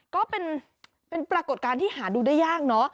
ก็เป็นปรากฏการณ์ที่หาดูได้ยากเนอะ